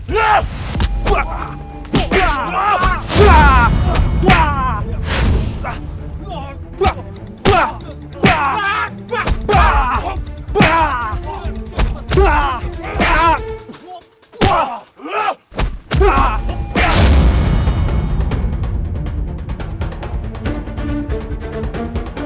jangan dengar dua orangnya